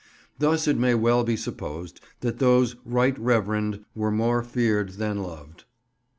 Thus it may well be supposed that those Right Reverend were more feared than loved.